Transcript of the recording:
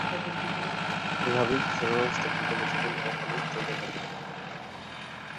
এভাবেই Kishoreganj technical school ও college চলতে থাকে।